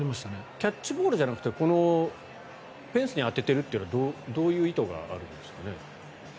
キャッチボールじゃなくてフェンスに当ててるというのはどういう意図があるんですかね？